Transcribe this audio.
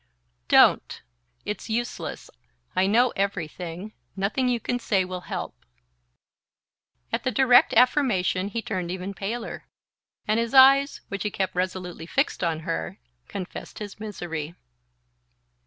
"Don't! It's useless. I know everything. Nothing you can say will help." At the direct affirmation he turned even paler, and his eyes, which he kept resolutely fixed on her, confessed his misery.